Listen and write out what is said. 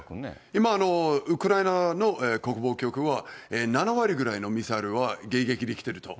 今、ウクライナの国防局は、７割ぐらいのミサイルは迎撃に来てると。